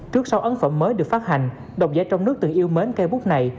trước sau ấn phẩm mới được phát hành đồng giải trong nước từ yêu mến cây bút này